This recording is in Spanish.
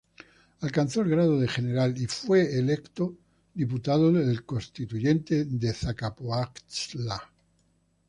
Alcanzó el grado de general y fue electo diputado al Constituyente por Zacapoaxtla.